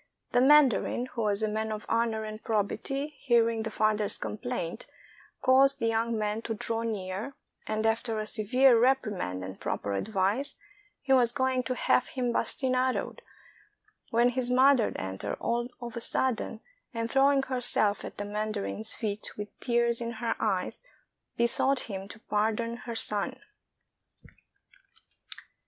The mandarin, who was a man of honor and probity, hearing the father's complaint, caused the young man to draw near, and CHINESE PUNISHMENTS after a severe reprimand and proper advice, he was going to have him bastinadoed, when his mother entered all of a sudden, and throwing herself at the mandarin's feet, with tears in her eyes besought him to pardon her son.